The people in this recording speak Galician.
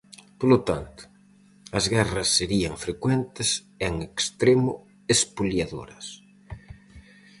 Polo tanto, as guerras serían frecuentes e en extremo espoliadoras.